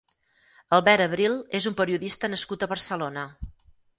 Albert Abril és un periodista nascut a Barcelona.